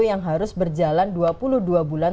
yang harus berjalan dua puluh dua bulan